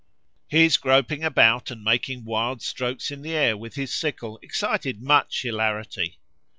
His groping about and making wild strokes in the air with his sickle excited much hilarity.